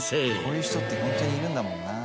こういう人ってホントにいるんだもんな。